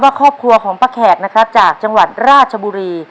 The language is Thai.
ครอบครัวของป้าแขกนะครับจากจังหวัดราชบุรี